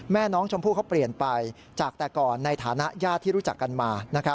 แม่น้องชมพู่เขาเปลี่ยนไปจากแต่ก่อนในฐานะญาติที่รู้จักกันมา